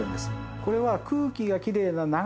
これは。